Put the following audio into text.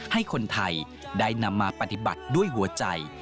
ให้คนไทยได้นำมาปฏิบัติด้วยหัวใจ